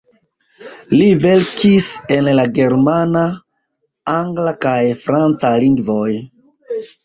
Li verkis en la germana, angla kaj franca lingvoj.